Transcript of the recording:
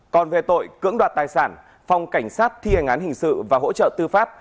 còn về tội cưỡng đoạt tài sản phòng cảnh sát thi hành án hình sự và hỗ trợ tư pháp